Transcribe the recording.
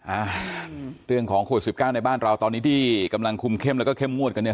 อ่าเรื่องของโควิดสิบเก้าในบ้านเราตอนนี้ที่กำลังคุมเข้มแล้วก็เข้มงวดกันเนี่ย